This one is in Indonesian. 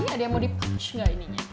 ini ada yang mau di punch gak ininya